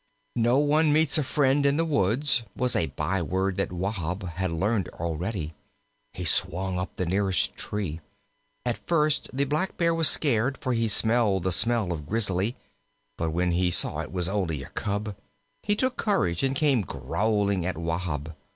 "No one meets a friend in the woods," was a byword that Wahb had learned already. He swung up the nearest tree. At first the Blackbear was scared, for he smelled the smell of Grizzly; but when he saw it was only a cub, he took courage and came growling at Wahb.